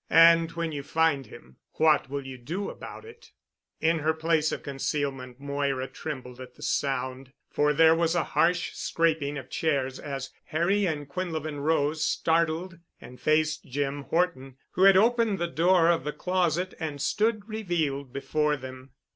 "And when you find him what will you do about it?" In her place of concealment Moira trembled at the sound. For there was a harsh scraping of chairs as Harry and Quinlevin rose, startled, and faced Jim Horton, who had opened the door of the closet and stood revealed before them.